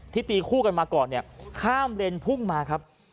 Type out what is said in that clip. ตีคู่กันมาก่อนเนี่ยข้ามเลนพุ่งมาครับ